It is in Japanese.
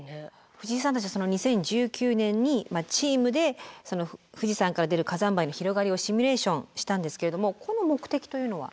藤井さんたちは２０１９年にチームで富士山から出る火山灰の広がりをシミュレーションしたんですけれどもこの目的というのは？